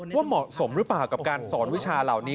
ว่าเหมาะสมหรือเปล่ากับการสอนวิชาเหล่านี้